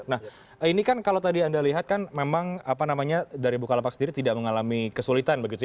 nah ini kan kalau tadi anda lihat kan memang apa namanya dari bukalapak sendiri tidak mengalami kesulitan begitu ya